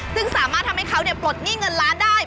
ซึ่งสามารถทำให้เขาปลดหนี้เงินล้านได้